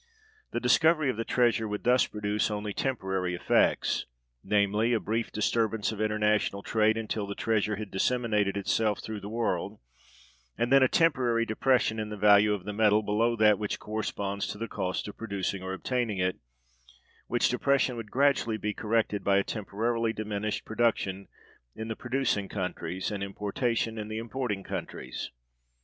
The discovery of the treasure would thus produce only temporary effects; namely, a brief disturbance of international trade until the treasure had disseminated itself through the world, and then a temporary depression in the value of the metal below that which corresponds to the cost of producing or of obtaining it; which depression would gradually be corrected by a temporarily diminished production in the producing countries and importation in the importing countries.